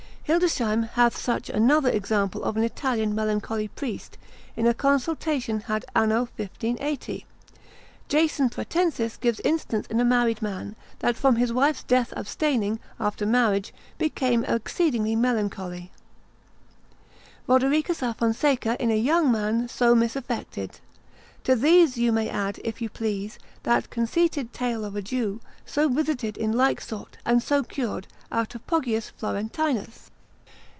Hildesheim, spicel. 2, hath such another example of an Italian melancholy priest, in a consultation had Anno 1580. Jason Pratensis gives instance in a married man, that from his wife's death abstaining, after marriage, became exceedingly melancholy, Rodericus a Fonseca in a young man so misaffected, Tom. 2. consult. 85. To these you may add, if you please, that conceited tale of a Jew, so visited in like sort, and so cured, out of Poggius Florentinus.